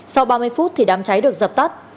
sau ba mươi phút thì đám cháy được dập tắt